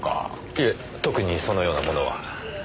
いえ特にそのようなものは。